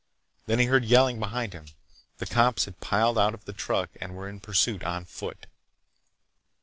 Then he heard yelling behind him. The cops had piled out of the truck and were in pursuit on foot.